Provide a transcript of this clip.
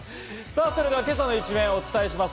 それでは今日の一面をお伝えします。